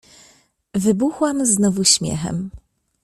Wybuchłam znowu śmiechem.